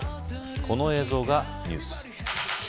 この映像がニュース。